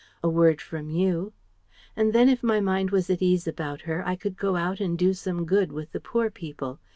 A word from you And then if my mind was at ease about her I could go out and do some good with the poor people.